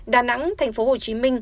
đà nẵng tp hcm